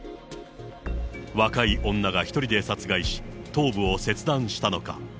若い女が１人で殺害し、頭部を切断したのか。